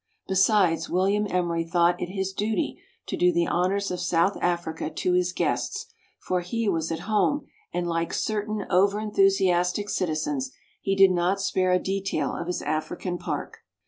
Besides, Wil liam Emery thought it his duty to do the honours of South Africa to his guests ; for he was at home, and like certain over enthusiastic citizens, he did not spare a detail of his African park.